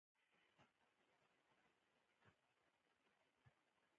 تش جېب مصیبت نه دی، بلکی تش زړه او سر مصیبت دی